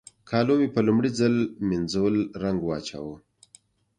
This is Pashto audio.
کالو مې په لومړي ځل مينځول رنګ واچاوو.